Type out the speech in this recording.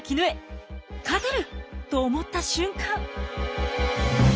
「勝てる！」と思った瞬間。